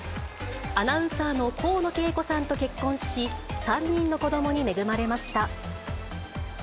アナウンサーの河野景子さんと結婚し、３人の子どもに恵まれました。